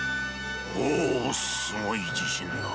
「おおすごい自信だ。